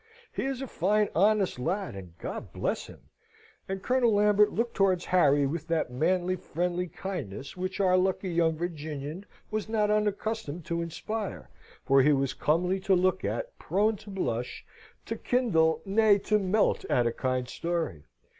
He is a fine, honest lad, and God bless him!" And Colonel Lambert looked towards Harry with that manly, friendly kindness which our lucky young Virginian was not unaccustomed to inspire, for he was comely to look at, prone to blush, to kindle, nay, to melt, at a kind story.